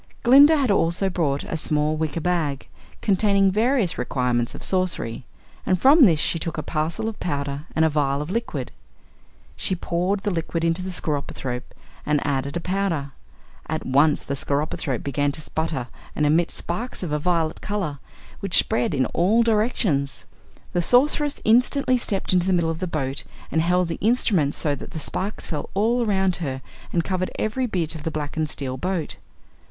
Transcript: Glinda had also brought a small wicker bag, containing various requirements of sorcery, and from this she took a parcel of powder and a vial of liquid. She poured the liquid into the skeropythrope and added the powder. At once the skeropythrope began to sputter and emit sparks of a violet color, which spread in all directions. The Sorceress instantly stepped into the middle of the boat and held the instrument so that the sparks fell all around her and covered every bit of the blackened steel boat.